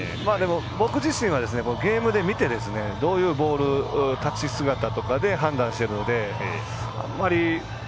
僕自身はゲームで見てどういうボール、立ち姿とかで判断してるので、あまり。